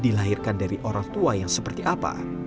dilahirkan dari orang tua yang seperti apa